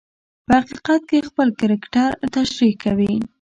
په حقیقت کې خپل کرکټر تشریح کوي.